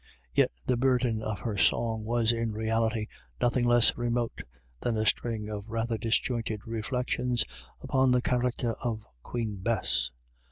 Yet the burden of her song was in reality nothing less remote than a string of rather disjointed reflections upon the character of Queen Bess.